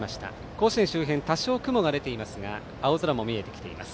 甲子園周辺多少、雲が出ていますが青空も見えてきています。